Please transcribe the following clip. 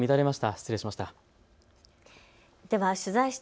失礼しました。